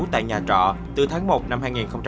tại nhà trọ từ tháng một năm hai nghìn một mươi chín